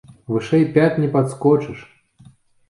Вышэй пят не падскочыш!